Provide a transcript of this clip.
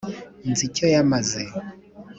nzi icyo yamaze